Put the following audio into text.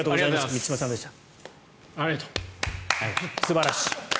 満島さんでした。